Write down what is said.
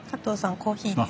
コーヒーです。